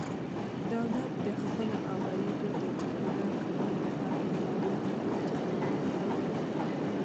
دولت د خپلو عوایدو د پوره کولو لپاره د مالیاتو کچه لوړوي.